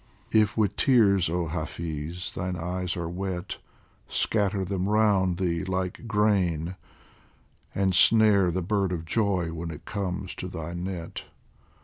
" If with tears, oh Hafiz, thine eyes are wet, Scatter them round thee like grain, and snare The Bird of Joy when it comes to thy net.